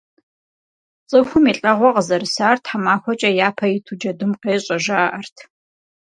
ЦӀыхум и лӀэгъуэ къызэрысар тхьэмахуэкӀэ япэ иту джэдум къещӀэ, жаӀэрт.